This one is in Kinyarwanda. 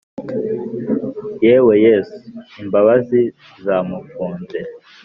yewe yesu, imbabazi zamufunze